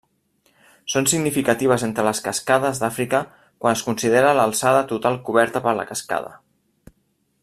Són significatives entre les cascades d'Àfrica quan es considera l'alçada total coberta per la cascada.